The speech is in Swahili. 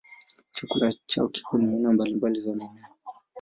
Chakula chao kikuu ni aina mbalimbali za mimea.